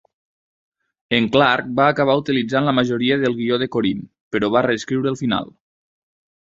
En Clark va acabar utilitzant la majoria del guió de Korine, però va reescriure el final.